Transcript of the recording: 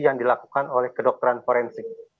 yang dilakukan oleh kedokteran forensik